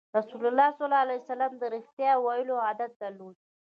رسول الله ﷺ د رښتیا ویلو عادت درلود.